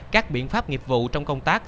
các biện pháp nghiệp vụ trong công tác